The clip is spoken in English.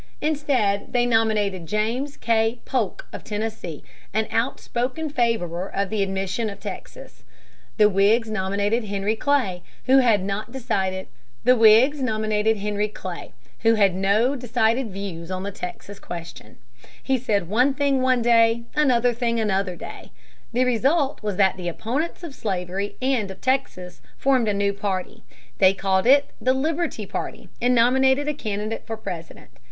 Instead they nominated James K. Polk of Tennessee, an outspoken favorer of the admission of Texas. The Whigs nominated Henry Clay, who had no decided views on the Texas question. He said one thing one day, another thing another day. The result was that the opponents of slavery and of Texas formed a new party. They called it the Liberty party and nominated a candidate for President.